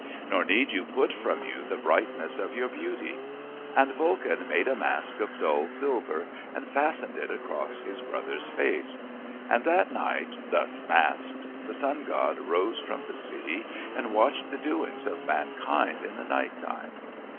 Nor need you put from you the brightness of your beauty.' And Vulcan made a mask of dull silver and fastened it across his brother's face. And that night, thus masked, the sun god rose from the sea and watched the doings of mankind in the night time.